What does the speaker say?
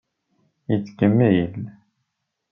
Yettkemmil.